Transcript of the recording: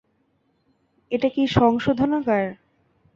এটা কি সংশোধনাগার?